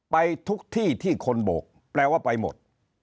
ไปทุกที่ที่คนโบกแปลว่าไปหมด